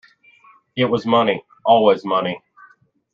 It was money — always money.